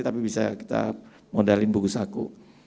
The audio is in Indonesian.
tapi bisa kita modalin buku saku